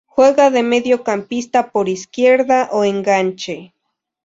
Juega de medio campista por izquierda o enganche.